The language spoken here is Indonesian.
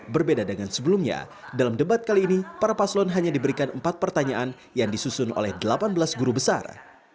berbeda dengan sebelumnya dalam debat kali ini para paslon hanya diberikan empat pertanyaan yang disusun oleh delapan belas guru besar